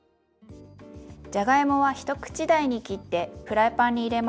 じゃがいもは一口大に切ってフライパンに入れます。